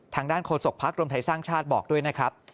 ทางด้านโฆษกภักดิ์รวมไทยสร้างชาติบอกด้วยนะครับ